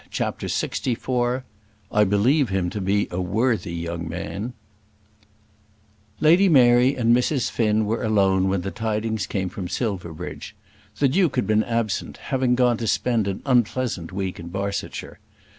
CHAPTER LXIV "I Believe Him to Be a Worthy Young Man" Lady Mary and Mrs. Finn were alone when the tidings came from Silverbridge. The Duke had been absent, having gone to spend an unpleasant week in Barsetshire.